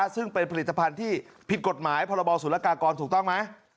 ซึ่งเป็นผลิตภัณฑ์ที่ผิดกฎหมายพรบศุลกากรถูกต้องไหม